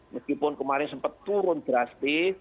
meskipun kemarin sempat turun drastis